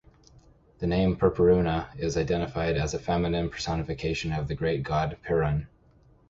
The name "Perperuna" is identified as a feminine personification of the great god Perun.